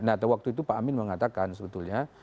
nah atau waktu itu pak amin mengatakan sebetulnya